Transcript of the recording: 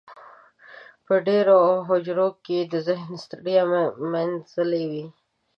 په دېرو او هوجرو کې یې د ذهن ستړیا مینځلې وه.